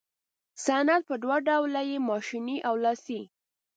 صنعت په دوه ډوله دی ماشیني او لاسي.